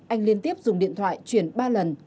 anh liên tiếp dùng điện thoại chuyển ba lần